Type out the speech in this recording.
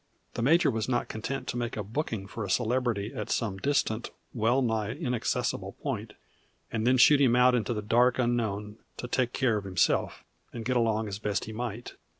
The major was not content to make a booking for a celebrity at some distant, well nigh inaccessible point, and then shoot him out into the dark unknown to take care of himself, and get along as best he might.